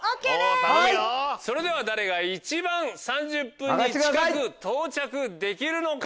誰が一番３０分に近く到着できるのか？